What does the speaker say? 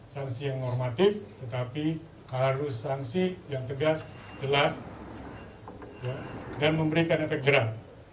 sanksi yang normatif tetapi harus sanksi yang tegas jelas dan memberikan efek jerah